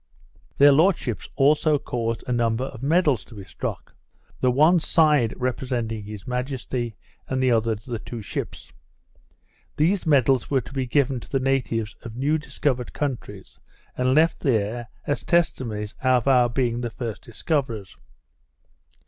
Their lordships also caused a number of medals to be struck, the one side representing his majesty, and the other the two ships. These medals were to be given to the natives of new discovered countries, and left there as testimonies of our being the first discoverers.